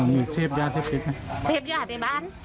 มีชายถ้อไม้